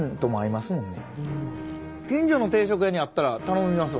近所の定食屋にあったら頼みますわ